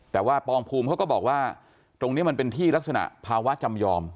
แต่ว่าปองภูมิเขาก็บอกว่าตรงนี้มันเป็นที่ลักษณะภาวะจำยอม